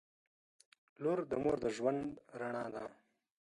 • لور د مور د ژوند رڼا ده.